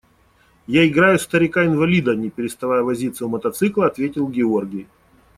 – Я играю старика инвалида, – не переставая возиться у мотоцикла, ответил Георгий.